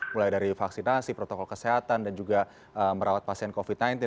mulai dari vaksinasi protokol kesehatan dan juga merawat pasien covid sembilan belas